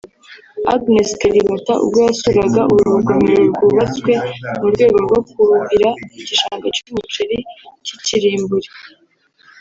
Agnes Kalibata ubwo yasuraga uru rugomero rwubatswe murwego rwo kuhira igishanga cy’umuceri cy’ikirimburi